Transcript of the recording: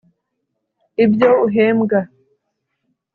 ibyo uhembwa